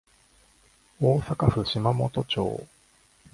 大阪府島本町